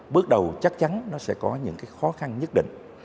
bước đầu chắc chắn nó sẽ có những cái khó khăn nhất định